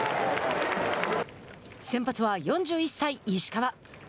先発は４１歳、石川。